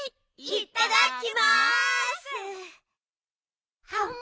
いただきます！